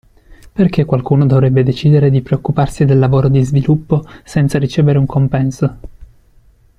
Perché qualcuno dovrebbe decidere di preoccuparsi del lavoro di sviluppo senza ricevere un compenso?